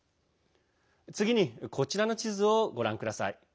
次に、こちらの地図をご覧ください。